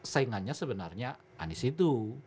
saingannya sebenarnya anies itu